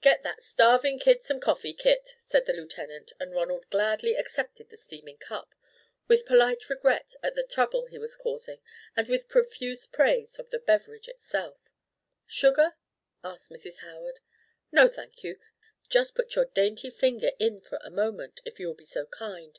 "Get that starving kid some coffee, Kit," said the Lieutenant, and Ronald gladly accepted the steaming cup, with polite regret at the trouble he was causing and with profuse praise of the beverage itself. "Sugar?" asked Mrs. Howard. "No, thank you just put your dainty finger in for a moment, if you will be so kind.